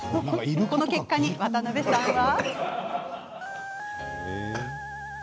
この結果に渡邊さんは。